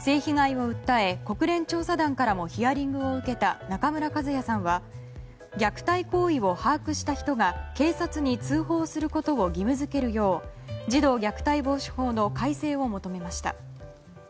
性被害を訴え国連調査団からもヒアリングを受けた中村一也さんは虐待行為を把握した人が警察に通報することを義務付けるよう児童虐待防止法の改正を求めました。